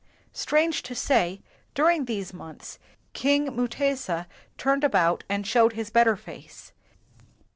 Strange to say, during these months King Mutesa turned about and showed his bet ter face.